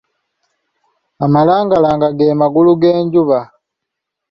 Amalangalanga ge magulu g'enjuba.